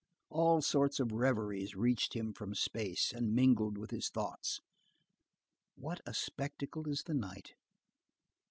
All sorts of reveries reached him from space, and mingled with his thoughts. What a spectacle is the night!